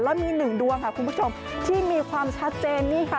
แล้วมีหนึ่งดวงค่ะคุณผู้ชมที่มีความชัดเจนนี่ค่ะ